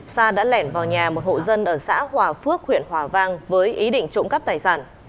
sa đã lẻn vào nhà một hộ dân ở xã hòa phước huyện hòa vang với ý định trộm cắp tài sản